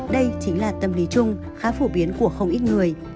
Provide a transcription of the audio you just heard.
đây chính là tâm lý chung khá phổ biến của không ít người